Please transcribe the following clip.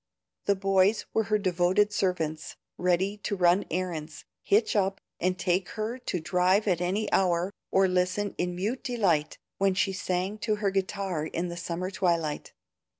The boys were her devoted servants, ready to run errands, "hitch up" and take her to drive at any hour, or listen in mute delight when she sang to her guitar in the summer twilight.